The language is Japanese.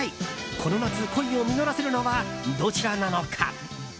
この夏、恋を実らせるのはどちらなのか？